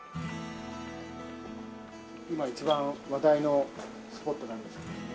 今一番話題のスポットなんですけども。